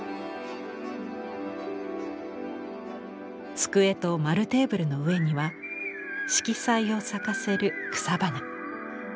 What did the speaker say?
机と円テーブルの上には色彩を咲かせる草花。